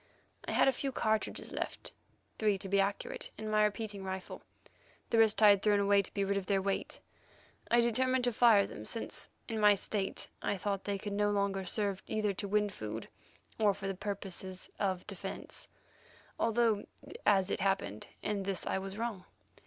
I had a few cartridges left—three, to be accurate—in my repeating rifle; the rest I had thrown away to be rid of their weight. I determined to fire them, since, in my state I thought they could no longer serve either to win food or for the purposes of defence, although, as it happened, in this I was wrong.